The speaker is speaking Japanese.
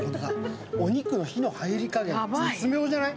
お肉の火の入り加減、絶妙じゃない？